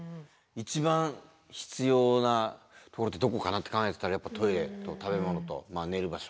一番必要なところってどこかなって考えてたらやっぱトイレと食べ物と寝る場所。